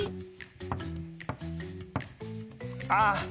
ああ！